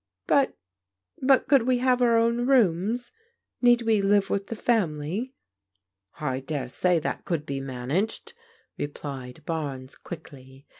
" But — ^but could we have our own rooms? Need we live with the family?" "I dare say that could be managed," replied Barnes quickly.